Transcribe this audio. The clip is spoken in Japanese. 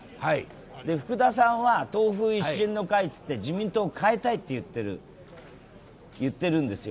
福田さんは党風一新の会っていって自民党を変えたいって言ってるんですよ。